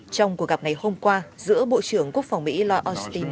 trong cuộc gặp ngày hôm qua giữa bộ trưởng quốc phòng mỹ lloyd austin